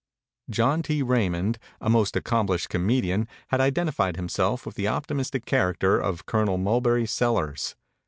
John T. Raymond, a most accomplished comedian, had identified himself with the optimistic character of Colonel Mulberry Sellers.